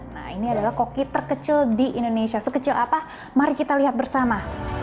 nah ini adalah koki terkecil di indonesia sekecil apa mari kita lihat bersama